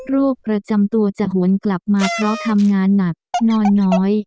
โรคประจำตัวจะหวนกลับมาเพราะทำงานหนักนอนน้อย